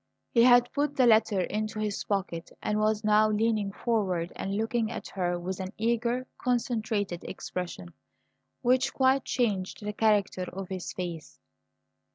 He had put the letter into his pocket and was now leaning forward and looking at her with an eager, concentrated expression which quite changed the character of his face.